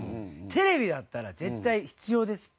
テレビだったら絶対必要ですって。